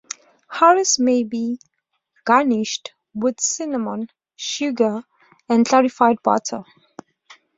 Harees may be garnished with cinnamon, sugar, and clarified butter.